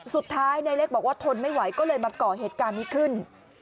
สุดท้ายนายเล็กบอกว่าทนไม่ไหวก็เลยมาก่อเหตุการณ์นี้ขึ้น